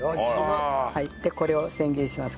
でこれを千切りします。